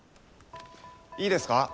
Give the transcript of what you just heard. いいですか？